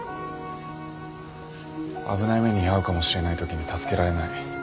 危ない目に遭うかもしれないときに助けられない。